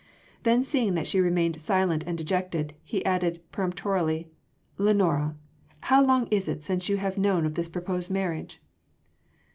Then seeing that she remained silent and dejected he added peremptorily: "Lenora! how long is it since you have known of this proposed marriage?"